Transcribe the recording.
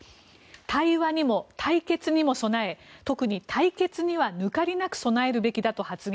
対話にも対決にも備え特に対決には抜かりなく備えるべきだと発言。